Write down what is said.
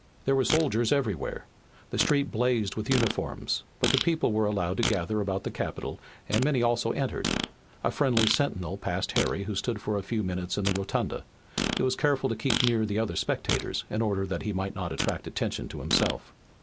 There were soldiers everywhere. The streets blazed with uniforms, but the people were allowed to gather about the Capitol and many also entered. A friendly sentinel passed Harry, who stood for a few moments in the rotunda. He was careful to keep near other spectators, in order that he might not attract attention to himself.